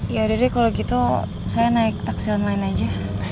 ya udah deh kalau gitu saya naik taksi online aja